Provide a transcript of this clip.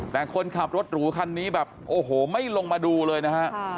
แต่คนขับรถหรูคันนี้แบบโอ้โหไม่ลงมาดูเลยนะฮะ